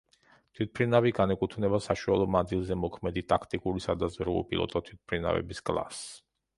თვითმფრინავი განეკუთვნება საშუალო მანძილზე მოქმედი ტაქტიკური სადაზვერვო უპილოტო თვითმფრინავების კლასს.